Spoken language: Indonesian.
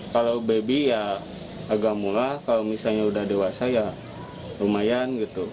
kalau baby ya agak murah kalau misalnya udah dewasa ya lumayan gitu